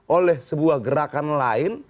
oleh sebuah gerakan lain